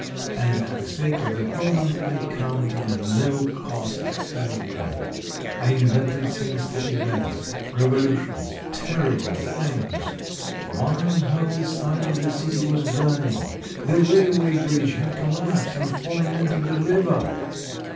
And for the sake of that moment I counted no cost too dear. I invented sinister events, revolutions, terrible things ; one whole side of the city was burning, the railway bridge had collapsed, and fallen into the river